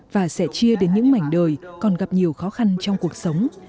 và sẽ chia đến những mảnh đời còn gặp nhiều khó khăn trong cuộc sống